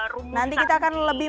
nanti kita akan lebih